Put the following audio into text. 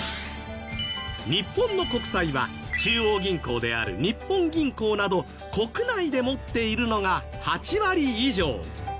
日本の国債は中央銀行である日本銀行など国内で持っているのが８割以上。